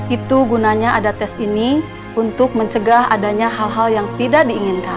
itu gunanya ada tes ini untuk mencegah adanya hal hal yang tidak diinginkan